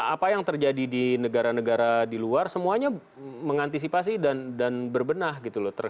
apa yang terjadi di negara negara di luar semuanya mengantisipasi dan berbenah gitu loh